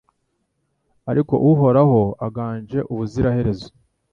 Ariko Uhoraho aganje ubuziraherezo